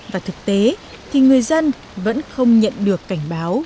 và thực tế thì người dân vẫn không nhận được cảnh báo